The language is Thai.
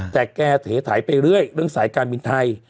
แต่แกเถาไปเรื่อยเรื่องสายการบินไทย